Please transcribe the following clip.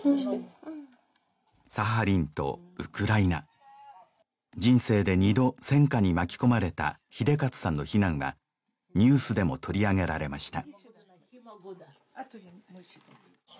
サハリンとウクライナ人生で２度戦渦に巻き込まれた英捷さんの避難はニュースでも取り上げられました